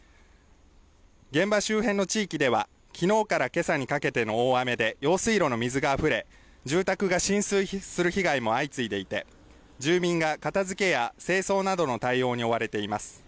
現場周辺の地域では、きのうからけさにかけての大雨で用水路の水があふれ住宅が浸水する被害も相次いでいて住民が片づけや清掃などの対応に追われています。